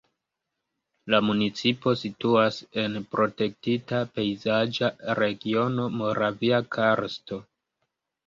La municipo situas en protektita pejzaĝa regiono Moravia karsto.